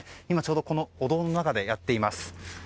今、ちょうどこのお堂の中でやっています。